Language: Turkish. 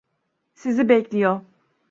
Sizi bekliyor.